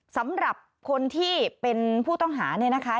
สำหรับคนที่เป็นผู้ต้องหาเนี่ยนะคะ